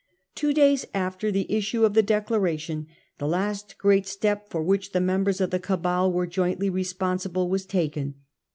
Two days after the issue of the Declaration, the last great step for which the members of the Cabal were jointly responsible was taken.